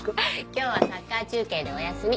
今日はサッカー中継でお休み。